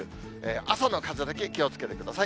朝の風だけ気をつけてください。